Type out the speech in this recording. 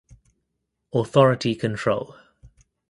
Authority control